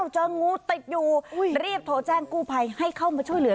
เจองูติดอยู่รีบโทรแจ้งกู้ภัยให้เข้ามาช่วยเหลือ